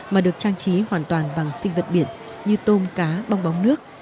mà được trang trí hoàn toàn bằng sinh vật biển như tôm cá bong bóng nước